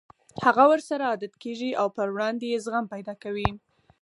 هغه ورسره عادت کېږي او پر وړاندې يې زغم پيدا کوي.